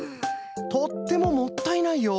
とってももったいないよ！